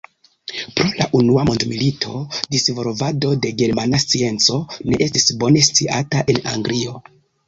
Pro la Unua mondmilito, disvolvado de germana scienco ne estis bone sciata en Anglio.